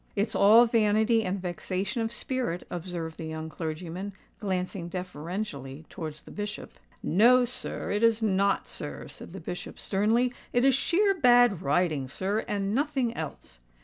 "It's all vanity and vexation of spirit," observed the young clergyman, glancing deferentially towards the Bishop. "No, sir—it is not, sir," said the Bishop sternly: "it is sheer bad riding, sir—and nothing else."